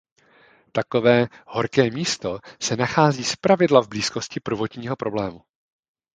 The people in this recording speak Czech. Takové „horké místo“ se nachází zpravidla v blízkosti prvotního problému.